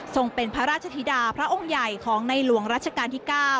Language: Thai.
เป็นพระราชธิดาพระองค์ใหญ่ของในหลวงรัชกาลที่๙